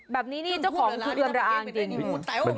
แบบนี้เจ้าของคือเอื้อหราองจริง